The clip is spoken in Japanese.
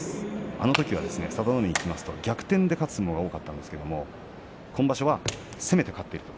あのときは佐田の海に聞きますと逆転で勝つ相撲が多かったですが今場所は攻めて勝っていると。